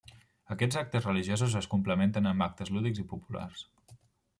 Aquests actes religiosos es complementen amb actes lúdics i populars.